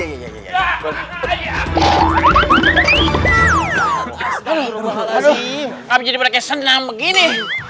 enggak jadi berkesan begini